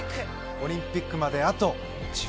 オリンピックまであと１８日ですよ。